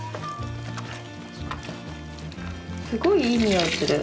すごいいい匂いする！